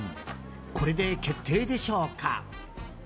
これで決定でしょうか？